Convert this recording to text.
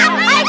eh bawah bawah